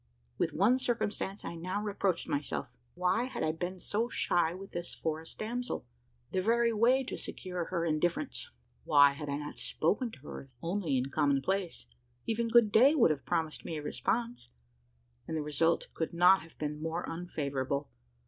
With one circumstance I now reproached myself: why had I been so shy with this forest damsel? The very way to secure her indifference. Why had I not spoken to her, if only in commonplace? Even "Good day" would have promised me a response; and the result could not have been more unfavourable.